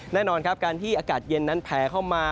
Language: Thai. แน่นอนครับการที่อากาศเย็นนั้นแผลเข้ามา